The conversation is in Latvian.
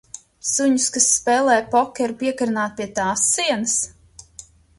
Suņus, kas spēlē pokeru, piekarināt pie tās sienas?